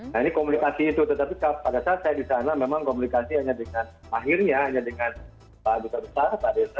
nah ini komunikasi itu tetapi pada saat saya di sana memang komunikasi hanya dengan akhirnya hanya dengan pak duta besar pak desa